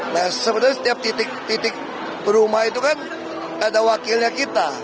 nah sebenarnya setiap titik titik perumah itu kan ada wakilnya kita